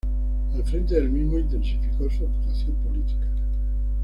Al frente del mismo intensificó su actuación política.